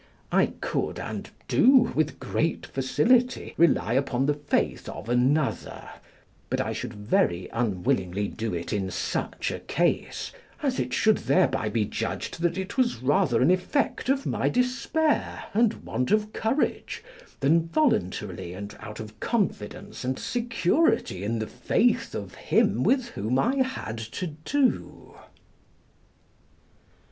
I could, and do, with great facility, rely upon the faith of another; but I should very unwillingly do it in such a case, as it should thereby be judged that it was rather an effect of my despair and want of courage than voluntarily and out of confidence and security in the faith of him with whom I had to do.